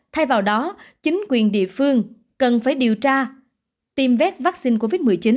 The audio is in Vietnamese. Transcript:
thay vào đó chính quyền địa phương cần phải điều tra tiêm vét vaccine covid một mươi chín